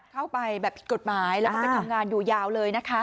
เข้าไปแบบผิดกฎหมายแล้วก็ไปทำงานอยู่ยาวเลยนะคะ